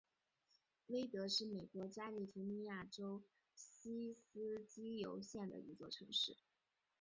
威德是美国加利福尼亚州锡斯基尤县的一座城市。